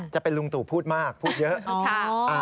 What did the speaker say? จะเป็นลุงตู่พูดมากพูดเยอะ